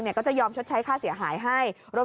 คนคนคนคน